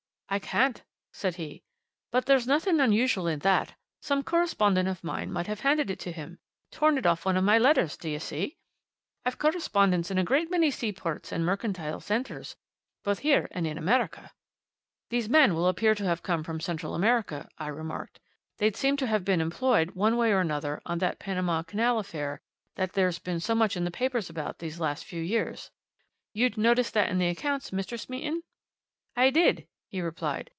"I can't," said he. "But there's nothing unusual in that; some correspondent of mine might have handed it to him torn it off one of my letters, do you see? I've correspondents in a great many seaports and mercantile centres both here and in America." "These men will appear to have come from Central America," I remarked. "They'd seem to have been employed, one way or another, on that Panama Canal affair that there's been so much in the papers about these last few years. You'd notice that in the accounts, Mr. Smeaton?" "I did," he replied.